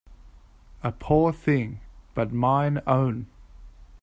A poor thing, but mine own